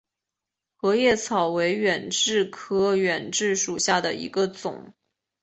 合叶草为远志科远志属下的一个种。